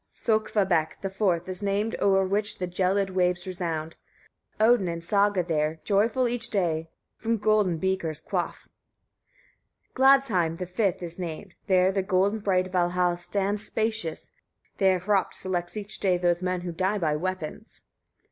7. Sökkvabekk the fourth is named o'er which the gelid waves resound; Odin and Saga there, joyful each day, from golden beakers quaff. 8. Gladsheim the fifth is named, there the golden bright Valhall stands spacious, there Hropt selects each day those men who die by weapons.